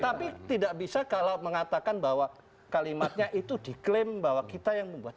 tapi tidak bisa kalau mengatakan bahwa kalimatnya itu diklaim bahwa kita yang membuat